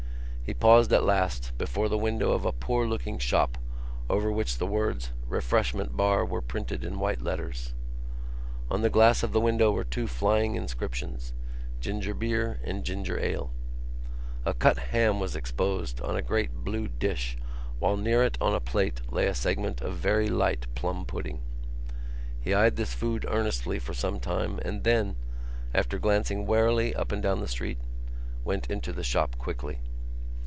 He paused at last before the window of a poor looking shop over which the words Refreshment Bar were printed in white letters. On the glass of the window were two flying inscriptions: Ginger Beer and Ginger Ale. A cut ham was exposed on a great blue dish while near it on a plate lay a segment of very light plum pudding. He eyed this food earnestly for some time and then, after glancing warily up and down the street, went into the shop quickly.